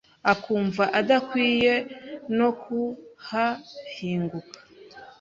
akumva adakwiye no kuhahinguka.